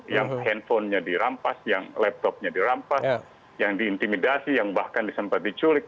yang handphonenya dirampas yang laptopnya dirampas yang diintimidasi yang bahkan disempat diculik